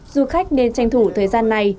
du khách nên tranh thủ thời gian này